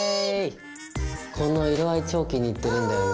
この色合い超気に入ってるんだよね。